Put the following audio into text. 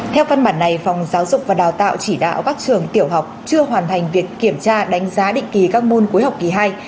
theo văn bản này phòng giáo dục và đào tạo chỉ đạo các trường tiểu học chưa hoàn thành việc kiểm tra đánh giá định kỳ các môn cuối học kỳ hai